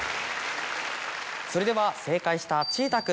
それでは正解したちーたー君